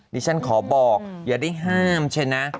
นี่ฉันขอบอกอย่าได้ห้ามใช่นะ